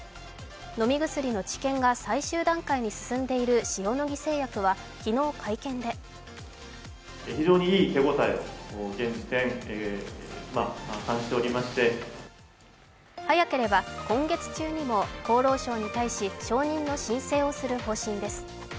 飲み薬の治験が最終段階に進んでいる塩野義製薬は昨日、会見で早ければ今月中にも厚労省に対し承認の申請をする方針です。